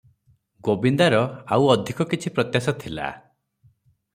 ଗୋବିନ୍ଦାର ଆଉ ଅଧିକ କିଛି ପ୍ରତ୍ୟାଶା ଥିଲା ।